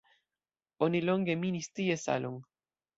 Oni longe minis tie salon.